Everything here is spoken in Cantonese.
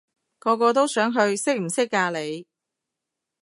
個個都想去，識唔識㗎你？